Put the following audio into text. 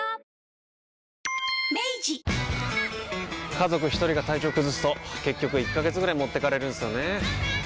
家族一人が体調崩すと結局１ヶ月ぐらい持ってかれるんすよねー。